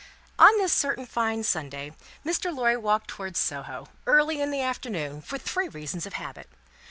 On this certain fine Sunday, Mr. Lorry walked towards Soho, early in the afternoon, for three reasons of habit.